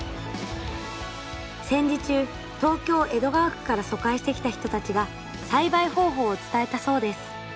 戦時中東京・江戸川区から疎開してきた人たちが栽培方法を伝えたそうです。